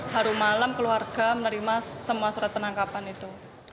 haru malam keluarga menerima semua serat penangkapan itu